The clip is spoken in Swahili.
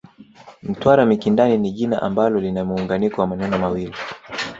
Mtwara Mikindani ni jina ambalo lina muunganiko wa maneno mawili